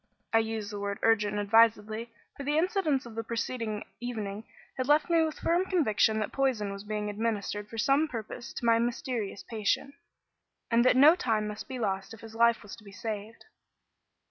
I use the word "urgent" advisedly; for the incidents of the preceding evening had left me with the firm conviction that poison was being administered for some purpose to my mysterious patient, and that no time must be lost if his life was to be saved.